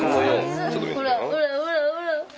ほらほらほらほら。